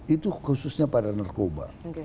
itu khususnya pada narkoba